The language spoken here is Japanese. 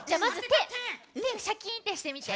てシャキンってしてみて。